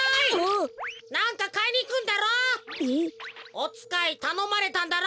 おつかいたのまれたんだろ？